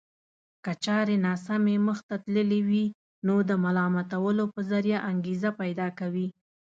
که چارې ناسمې مخته تللې وي نو د ملامتولو په ذريعه انګېزه پيدا کوي.